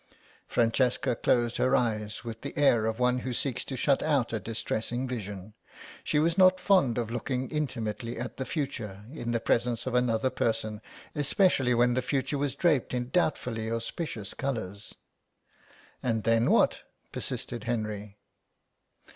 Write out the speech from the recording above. Francesca closed her eyes with the air of one who seeks to shut out a distressing vision. She was not fond of looking intimately at the future in the presence of another person, especially when the future was draped in doubtfully auspicious colours. "And then what?" persisted Henry.